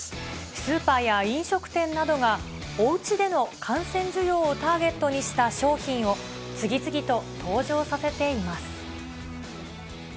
スーパーや飲食店などがおうちでの観戦需要をターゲットにした商品を次々と登場させています。